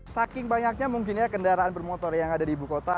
saking banyaknya mungkinnya kendaraan bermotor yang ada di ibukota